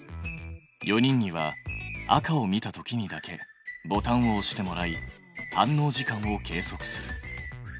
４人には赤をみたときにだけボタンをおしてもらい反応時間を計測する。